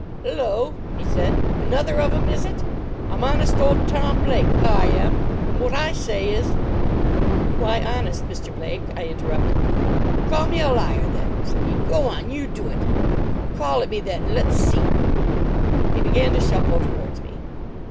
"'Ullo!" he said, "another of 'em, is it? I'm honest old Tom Blake, I am, and wot I say is——" "Why honest, Mr. Blake?" I interrupted. "Call me a liar, then!" said he. "Go on. You do it. Call it me, then, and let's see." He began to shuffle towards me.